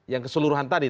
yang keseluruhan tadi